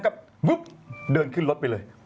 ก็เดินขึ้นรถไปเลย